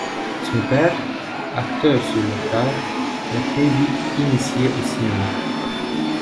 Son père, acteur sur le tard, l'a très vite initiée au cinéma.